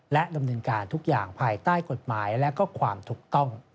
และดำเนินการทุกอย่างภายใต้กฎหมายและความถูกต้อง